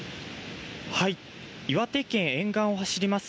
岩手県沿岸を走ります